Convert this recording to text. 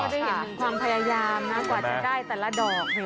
ได้เห็นถึงความพยายามนะกว่าจะได้แต่ละดอก